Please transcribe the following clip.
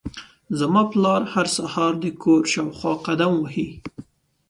زما پلار هر سهار د کور شاوخوا قدم وهي.